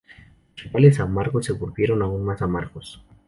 Los rivales amargos se volvieron aún más amargos.